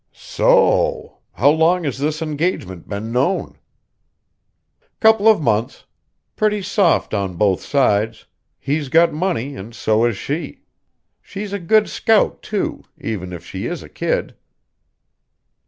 "So o! How long has this engagement been known?" "Couple of months. Pretty soft on both sides; he's got money and so has she. She's a good scout, too, even if she is a kid."